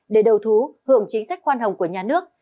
để đầu thú hưởng chính sách khoan hồng của nhà nước